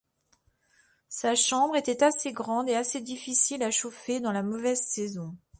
Sa chambre était assez grande et assez difficile à chauffer dans la mauvaise saison.